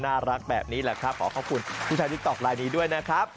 าหนูขนคุอขอเต้นด้วยเลยซิ